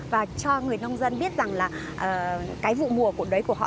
và cho người nông dân biết rằng là cái vụ mùa của đấy của họ